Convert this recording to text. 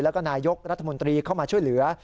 แล้วก็นายกรัฐมนตรีเข้ามาช่วยเหลือ